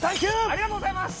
ありがとうございます！